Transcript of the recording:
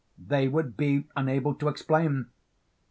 they would be unable to explain.